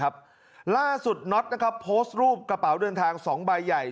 ล่าสุดน็อตโพสต์รูปกระเป๋าเดินทาง๒ใบใหญ่